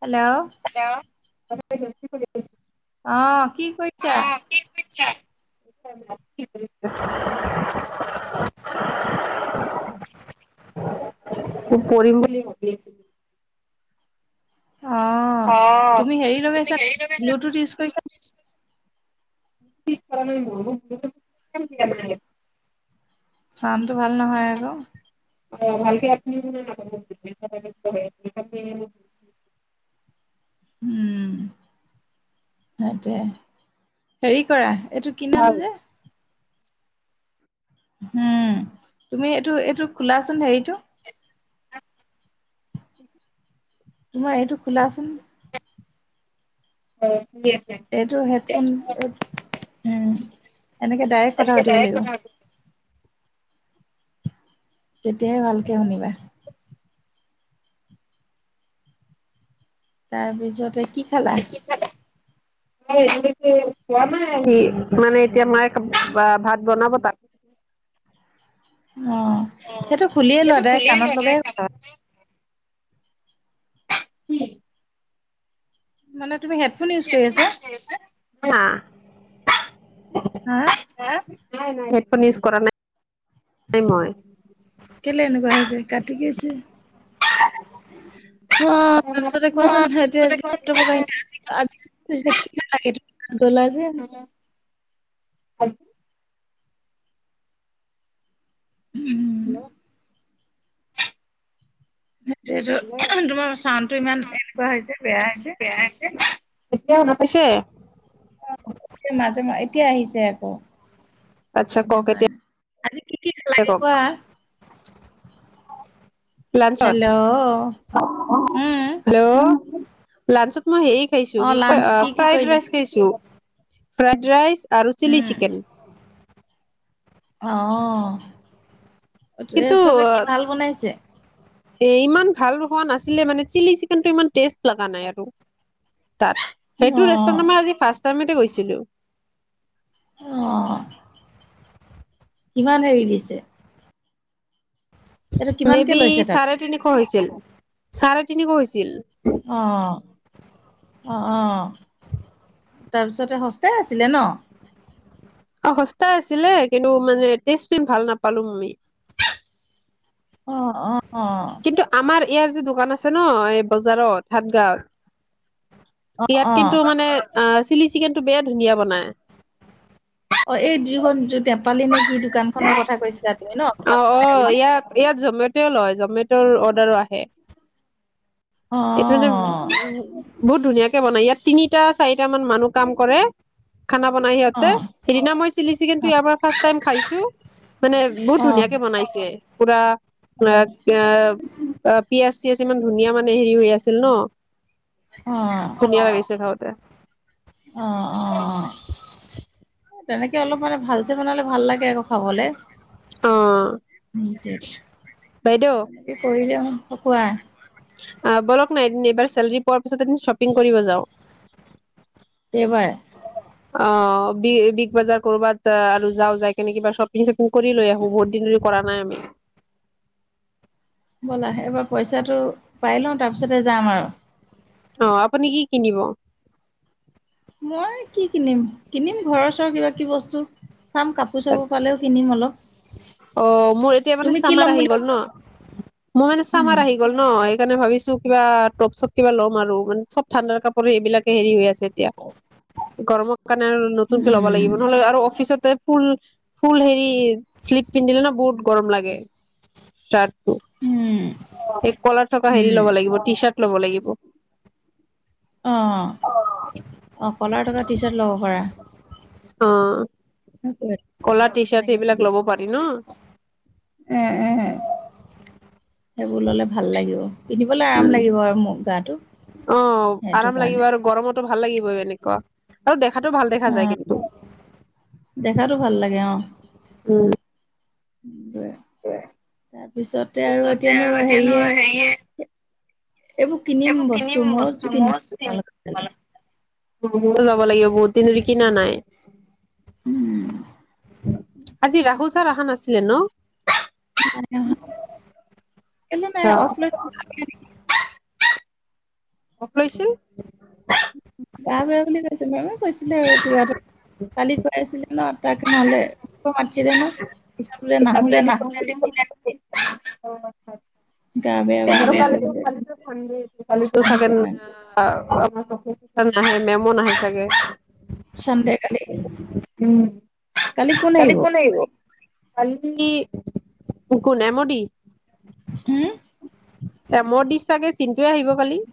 Hello hello [unintelligible] অহ কি কৰিছা [unintelligible] উ খুব পঢ়িম বুলি ভাবি আছিল অ হেৰি তুমি লগাইছা হেৰি ব্লুটুথ ইউজ কৰিছা লগাইছা ব্লুতো ইউজ কৰিছা নেকি ন [unintelligible] চাৱানটো ভাল নহয় আকৌ অ ভালকে [unintelligible] উম সেইটোয়ে হেৰি কৰা এইটো কি নাম যে হম তুমি এইটো এইটো খোলাচোন হেৰিটো উ তোমাৰ এইটো খোলাচোন অ এইটো হেডফোন উম এনেকে ডাইৰেক্ট কথা তেনেকে পাতিব ডাইৰেক্ট লাগিব। কথা তেতিয়াই ভালকে শুনিবা। তাৰপিছতে কি খালা? খোৱাাই আহি মানে এতিয়া মায়ে ভাত বনাব তাত অ অ' সেইটো খুলিয়েই সেইটো লোৱাদাই খুলিয়ে কাণত লোৱা লগাই ডাইৰেক্ট কাণত তুমি কি? পাতা। মানে তুমি headphone use head phone use কৰি আছা হা। হা নাই নাই। হেডফোন উজ কৰা নাই। মই। কেলে এনেকুৱা আহ হৈছে কাটি কিছে। অ এতিয়া তাৰপিছতে কোৱাচোন সজি কি লাগ তলে যে হ উম। হেল্ল' উ যেতু তোমাৰ চাউণ্ডটো ইমান এনেকুৱা হৈছে বেয়া হৈছে। এতিয়া শুনা পাইছে? অ এয়া মাজে মাজ এতিয়া আহিছে আকৌ। আচ্ছা ক সেইটো এতিয়া। কাৰণে আজি কি কি এতিয়া খালাগে কক কোৱা লাঞ্চত হেল্ল' উম, হেল্ল' লাঞ্চত মই সেই খাইছো অ কি লাঞ্চ কি কি ফ্ৰাইড কৰিলা ৰাইচ খাইছো। ফ্ৰাইড ৰাইচ, আৰু চিলি চিকেন। আহ। কিন্তু এ ইমান ভাল হোৱা নাছিল। মানে চিলি চিকেন টো ইমান টেষ্ট লগা নাই আৰু তাত সেইটো অ ৰেষ্টুৰেণ্টত মই আজি ফাৰ্ষ্ট মতে গৈছিলো। অ কিমান হেৰি দিছে? এইটো মে কিমানকে বি লৈছে তাত চাৰে তিনিশ হৈছিল চাৰে তিনিশ হৈছিল অ অ অ তাৰপিছতে সস্তাই আছিলে ন অ সস্তা আছিলে কিন্তু মানে তেছ তো ভাল নাপালো আমি অ অ অ', কিন্তু আমাৰ ইয়াৰ যি দোকান আছে ন এই বজাৰত [unintelligible] অ', ইয়াত অ', কিন্তু মানে আহ চিলি চিকেনটো বেয়া ধুনীয়া বনাই অ এই দুইখন য নেপালী নেকি অ অ বনাই বুলি? ইয়াত ইয়াত জমেট' লয় জমেটৰ অদা- দৰ আহে অ', এইটো মানে বহুত ধুনীয়া- কে বনাই ইয়াত তিনিটা চাৰিটা মান মানুহ কাম কৰে খানা বনাই সিহঁতে অ', সেইদিনা মই চিলি চিকেন টো ইয়াৰ পৰা ফাৰ্ষ্ট টাইম খাইছো মানে বহুত অ', ধুনীয়াকে বনাইছে পুৰা [unintelligible] অ পিয়াজ চিয়াজ ইমান ধুনীয়া মানে হেৰি হৈ আছিল ন অ অ ধুনীয়া লাগিছে খাওঁতে। অ অ অ তেনেকে অলপ মানে ভাল চে বনালে ভাল লাগে আক খাবলে অ', [unintelligible] বাইদেউ হেনকে কৰিলে ক কোৱা নাই দিন এবাৰ চেলৰি পোৱা তাপিছতে আমি শ্বপিং কৰিব যাওঁ সেইবাৰ। আহ বি বিগ বাজাৰ কৰবাত আৰু যাও যাই কেনে কিবা শ্বপিং চপিং কৰি লৈ আহো বহুত দিন ধৰি কৰা নাই আমি। ব'লা এবাৰ পইচাটো পাই লওঁ তাৰপিছতে যাম আৰু। অ', আপুনি কি কিনিব? মই কি কিনিম কিনিম ঘৰৰ ওচৰৰ কিবা কিবি বস্তু। চাম কাপোৰ চাপোৰ আচ্ছা পালেও কিনিম অলপ। অ মোৰ এতিয়া মানে তুমি কি চামাৰ ল'ম আহি বুলি গ'ল ভাবিছা? ন মোৰ মানে উম চামাৰ আহি গল ন সেইকাৰণে ভাবিছো কিবা টপ চপ কিবা লম আৰু মানে চব ঠাণ্ডাৰ কাপ পোৰা বিলাকে হেৰি হৈ আছে এতিয়া। গৰমত কাৰণে আৰু নতুনকে ল'ব উম লাগিব নহলে আৰু অফিচতে। ফুল ফুল হেৰি শ্লিপ পিন্ধিলে ন বহুত গৰম লাগে তাত। উম এই কলাৰ থকা হেৰি উম। ল'ব লাগিব টি চাৰ্ট। লব লাগিব। অ, অ, কলাৰ থকা টি চাৰ্ট ল'ব পাৰা। অ, সেইটোৱে কলা টি চাৰ্ট তেনেকে এইবিলাক লব সুবিধা পাৰি ন এ এ সেইবোৰ ললে ভাল লাগিব পিন্ধিবলৈ আৰাম লাগিব আৰু মোৰ গাটো। [unintelligible] অ, সেইটো আৰাম লাগিব কাৰণে আৰু গৰমত। ভাল লাগিবই এনেকুৱা আৰু দে কাটো ভাল দেখা অ যায় কিন্তু দেখাতো ভাল লাগে অ উম। [unintelligible] তাৰপিছতে আৰু এতিয়ানো হেৰিয়ে। এইবোৰ কিনিম বস্তু মৌজ কিনিম তোমাৰ লগত গলে। ময়ো যাব লাগিব বহুত দিন ধৰি কিনা নাই। উম আজি ৰাহুল ছাৰ আহা নাছিল। নো এল নাই আচ্ছা অফলাই [unintelligible] অফ লৈছিল। গা বেয়া বুলি কৈছিলে কৈছিলে আৰু কিবা এটা কালি কৈ আছিলে ন তাক নলে। [unintelligible] মাৰছিলে ন চাবলৈ নাহো বুলি কলে ন অ, আচ্ছা গা বেয়া আচ্ছা। বুলি আৰু কাল কৈছে বোলে খাল সংড খালি ত চাগ সেইটো কাৰণে [unintelligible] ক নাহে মেমো নাহে চাগে। চানডে কালি উম কালি কোন আহিব কি কোন এমডি [unintelligible] হম এ মো দি [unintelligible] চাগে চিনটয়ে আহিব কালি [unintelligible]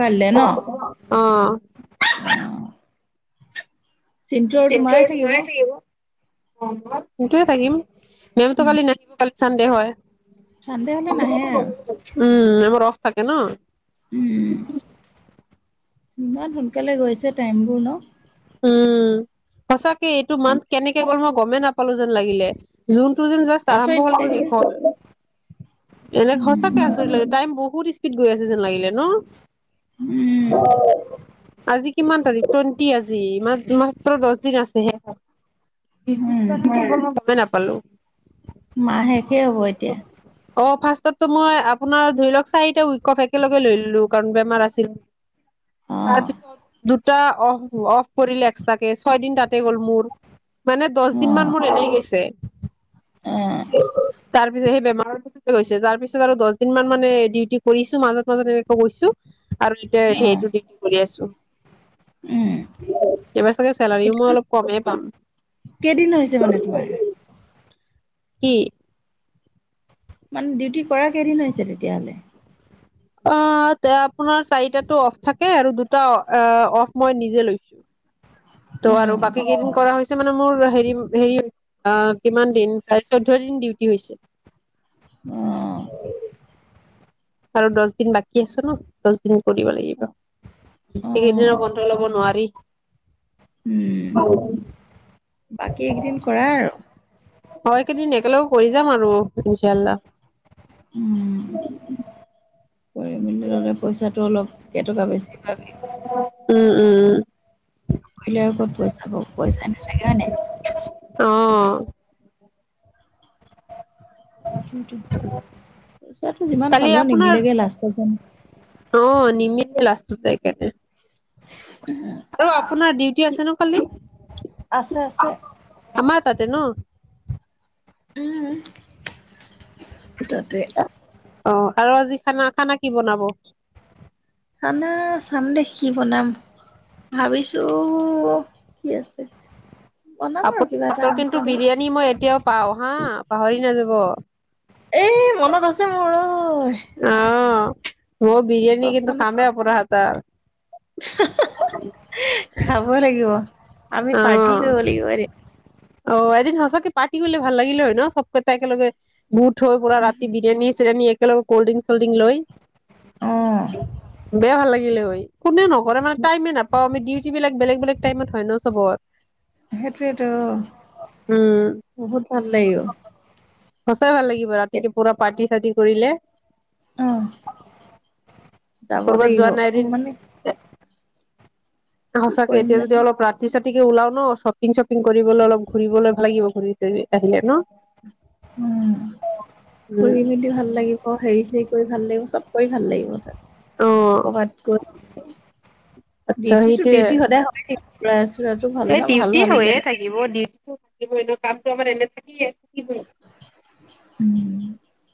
কাইলৈ ন অ উ চিন্তা আৰু তোমাৰ থাকিব [unintelligible] সেটোয়ে থাকিম [unintelligible] মেম ত উম কালি নাহিব কালি চানডে হয় চানডে হ'লে নাহে আৰু। উম, আমাৰ ৰস থাকে ন'। উম। ইমান সোনকালে গৈছে টাইম বোৰ ন'। উম, সঁচাক এইটো মাহ কেনেকে গ'ল মই গমে নাপালো যেন লাগিলে জুন জুনতো জাষ্ট আৰম্ভ আচৰিত হ'ল আকৌ লাগিলে শেষ হ'ল। এনেকে উম সঁচাকে আচৰিত লাগে টাইম বহুত ইচ গৈ আছে যেন লাগিলে উম ন' আজি কিমান তাৰিখ টু টি আছ জি মাত মাত্ৰ দহ দিন আছেহে। উম নাপ পালোঁ। মাহ শেষেই হ'ব এতিয়া। অ', ফাৰ্ষ্টতো মই আপোনাৰ ধৰি লওঁক চাৰিটা উইক অফ একেলগে লৈ ল'লো কাৰণ বেমাৰ আছিল। অ তাৰপিছত দু ত অ'ফ অফ কৰি লে এক্সাকে ছয় দিন তাতে গ'ল মোৰ। মানে দহ অ দিন মান মোৰ এনেই গেছে। অ [inaudible] তাৰ পিছত সেই বেমাৰৰ পিছত হৈছে তাৰ পিছত আৰু দহ দিন মান মানে ডিউটি কৰিছো মাজত মাজত এনেকৈ গৈছো। আৰু এতিয়া অ সেইটো ডিগ্ৰী কৰি আছো। উম এইবাৰ চাগে চেলাৰীও এতিয়া মই অলপ কমেই পাম। কেইদিন হৈছে মানে তোমাৰ কি? মানে, ডিউটি কৰা কেইদিন হৈছে তেতিয়াহ'লে? অ', তে আপোনাৰ চাইড টো অফ থাকে, আৰু দুটা অ'ফ মই নিজে লৈছো। ত' আৰু অ', বাকী কেইদিন কৰা হৈছে। মানে মোৰ হেৰি, হেৰি অহ, কিমান দিন চাৰে চৈধ্য দিন ডিউটি হৈছে। অ'। আৰু দছ দিন বাকী আছে ন' দছ দিন কৰিব লাগিব, অ', এইকেইদিনৰ বন্ধ ল'ব নোৱাৰি। উম' বাকী এইকেইদিন কৰা আৰু। অ! একেইদিন একেলগে কৰি যাম আৰু, ইন্সাআল্লাহ। [inaudible] উম, কৰি মেলি ললে, পইচাটো অলপ কেইটকা বেছি পাবি। উম! উম! উম! ভালে আগত পইচা পাব, পইচা নাথাকে হয় নাই? অ! সেটো পইচাটো যিমান কালি পালেও, আপোনাৰ নিমিলেগে লাষ্টত যেন। অ নিমিলে লাষ্টত, একেপে। [inaudible] আৰু, আপোনাৰ ডিউটি কি আছে ন কালি? আছে আছে আমাৰ তাতে ন। উম! তাতে। অ! আৰু আজি খানা খানা কি বনাব খানা চাম দে, কি বনাম। ভাবিছোঁ কি আছে? বনাম আৰু আপোনাৰ কিবা এটা হাতৰ আলু কিন্তু চালু লৈ। বিৰিয়ানী মই এতিয়াও পাও হা পাহৰি নাযাব। এ মনত আছে মোৰ, ঐ! অ', মই বিৰিয়ানী চব কিন্তু মনত খামে, আপোনাৰ হাত তাৰ খাব লাগিব আমি পাৰ্টি অ', কৰিব লাগিব এদিন অ এদিন সঁচাকে পাৰ্টিৰ কৰিলে ভাল লাগিলে হয় ন চবকে তাই একেলগে গোট হৈ পুৰা ৰাতি বিৰিয়ানী চিৰিয়ানী একেলগে কল্ড ড্ৰিংক চল্ড্ৰিংক লৈ। অ', বেয়া ভাল লাগি কোনে নকৰে মানে টাইমে নাপাও আমি ডিউট বিলাক বেলেগ বেলেগ টাইমত হয় ন চবৰ সেইটোৱে ত উম বহুত ভাল লাগিব। সচাই ভাল লাগি ব ৰাতি পুৰা পাৰ্টি তি কৰিলে। অ', যাব কবাত লাগিব যোৱা অ', নাইদিন। মানে কি সঁচাকে কৰিম এতিয়া যদি জানো অলপ ৰাতি চ। গতিকে ওলাও ন শ্বপিং চপিং কৰিবলৈ অলপ ঘূৰিবলৈ লাগিব ঘূৰি চ আহিলে ন। উম উম ফুৰি মেলি ভাল লাগিব হেৰি চেৰি। কৰি ভাল লাগিব চব কৰি ভাল লাগিব তাত। অ কৰবাত গৈ আচ্ছা ডিউটিটো সেইটোয়ে ডিউটি সদায় হয় থাকিব। এই ডিউটি হৈয়ে থাকিব ডিউটি। কি কৰিম এনে কামটো আমাৰ এনে থাকিয়ে। উম,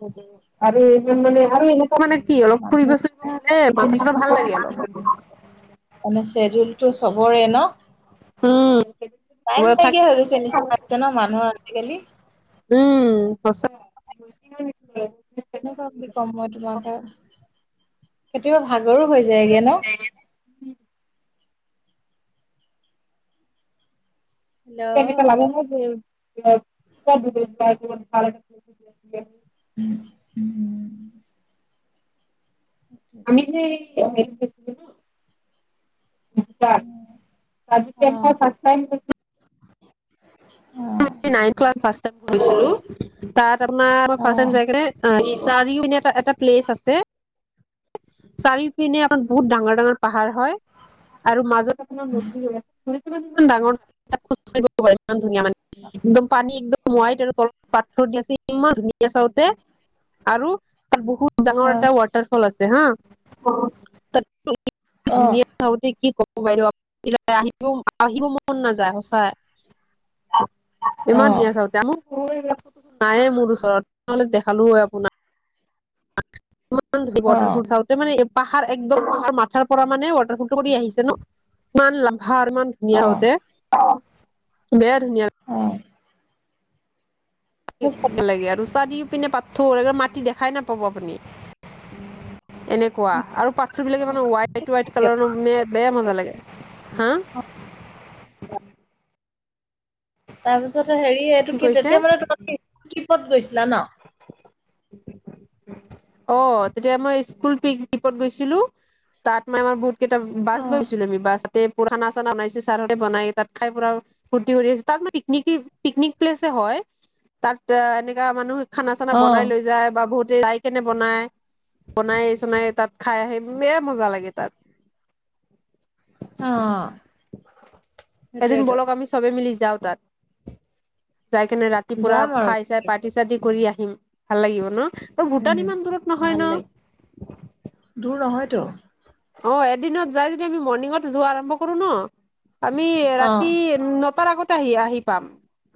অ। আৰু ইমান মানে আৰু এনেকুৱা মানে কি অলপ মানুহ ফুৰিব চুৰিব বলে সেইখিনি মাথা চটো ভাল লাগে কিমান অলপ। টো চবৰে ন। উম। টাইম থাক নাইকিয় হৈ গৈছে নিচিনা জ মানুহ আজিকালি। উ। কেনেকুৱা কম মই তোমাকে কেতিয়াবা ভাল। ভাগৰু হৈ যায়গৈ ন। উম। সেই হেল্ল' কেইটা লাগে ন কি। দিয়ক ইস্থাডিং ভাল আছিলে। উম উম উম। [unintelligible] ইস্তাত তজি কে ফাষ্ট টাইম। অ। নাই কোৱা পাচতা কৰিছিলো তাত। ফাচম চোগৰে। চাৰিও পিনে এ, এটা প্লেচ আছে। চাৰিও পিনে এখন বহুত ডাঙৰ, ডাঙৰ পাহাৰ হয় আৰু মাজত--। পোন মি হৈ আছে। ইমান ডাঙৰ খো-ইমান ধুনীয়া মানে। একদম পানী একদম। মাইট আৰু তলত পাথৰ দি আছে, ইমান ধুনীয়া চাওঁতে আৰু--। তাৰ বহুত ডাঙৰ এটা ৱাটাৰফল আছে। হা। ধুনীয়া চাতে কি, কম। বাইদেউ আহিব, আহিব মন নাযায় সচাই। ইমান ধুনীয়া চাওঁতে? নায়ে, মোৰ ওচৰতলে নহ'লে দেখালো হয় আপোনাক। [unintelligible] মটফুলাতে মানে পাহাৰ একদম পাহাৰ মাথাৰ পৰা মানে ৱাটাৰফুলটো কৰি আহিছে ন' ইমান ভাৰ মান ধুনীয়া হতে। বেয়া ধুনীয়া। অ'। কি লাগীয় আৰু। চ্তা দি পিনে পাথৰ এক মাটি দেখাই নাপাব আপুনি। এনেকুৱা আৰু পাথৰ বিলাকে মানে হোৱাইট হোৱাইট কালাৰ বেয়া মজা লাগ হা? তাৰপিছত হেৰি এইটো কি তেতিয়া মানে তোম ক'ত গৈছিলা ন'। অ', তেতিয়া মই স্কুল পিকনিকত গৈছিলো, তাত মই আমাৰ বহুত কেইটা অ বাছ লৈছিলো আমি বাছ তাতে পানা চানা বনাইছো ছাৰতে বনাই তাত খাই পুৰা ফুৰ্তিো তাত ম পনিক পিকনিক প্লেছে হয়, তাত এনেকা মানুহ খানা, চানা অ বনাই লৈ যায় বা বহুত যাই কেনে বনাই বনাই চনাই তাত খাই আহি ব মজা লাগে তাত। অ'। এদিন সেইটোয়েতো বলক আমি চব মিলি যাওঁ তাত। যাই কেনে ৰাতি পুৰা যাম আৰু খাই চাই পাৰ্টি চাৰ্টি কৰি আহ হিম ভাল লাগিব ন'। ত উম ভূটান ইমান দূৰত নহয় ভাল ন'। টো অ', এদিনত যাই যদি আমি মৰ্ণিঙত যোৱা আৰম্ভ কৰো ন'। আমি অ ৰাতি নটাৰ আগত [unintelligible] আহি পাম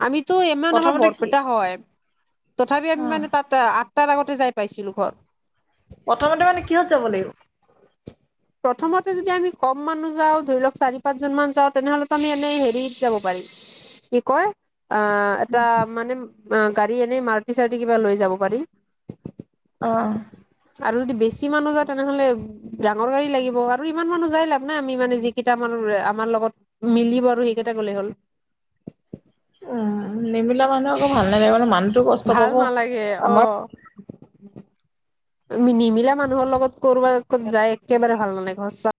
আমি ত' ইমান আমাৰ প্ৰথমতে কি বৰপেটা হয় তথাপি অ আমি মানে তাতে আঠ তাৰ আগতে যাই পাইছিলো ঘৰ। প্ৰথমতে মানে কিহত যাব লাগিব? প্ৰথমতে যদি আমি কম মানুহ যাওঁ ধৰি লওঁক চাৰি পাঁচ জন মান যাওঁ তেনেহলেতো আমি এনেই হেৰিত যাব পাৰিম, কি কয় অ', এটা মানে অ', গাড়ী এনেই মাৰুতি-চাৰুতি কিবা লৈ যাব পাৰি। অ'। আৰু যদি বেছি মানুহ যায় তেনেহ'লে ডাঙৰ গাড়ী লাগিব আৰু ইমান মানুহ যায় লাভ নাই আমি মানে যিকেইটা মানুহ আমাৰ লগত মিলিব আৰু সেইকেইটা গ'লে হ'ল। উম। নিমিলা মানুহ আকৌ ভাল নালাগিব মানে মানুহটো কষ্ট ভাল পাব, নালাগে অ আমাৰ নিমিলা মানুহৰ লগত কৰবা-ক'ত যায় আমাৰ একেবাৰে ভাল নালাগে সঁচা